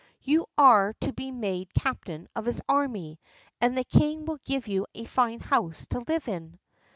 You are to be made captain of his army, and the king will give you a fine house to live in."